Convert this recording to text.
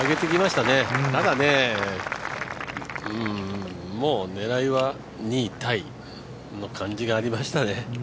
ただね、もう狙いは２位タイの感じがありましたね。